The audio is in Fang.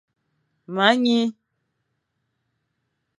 Me nyi,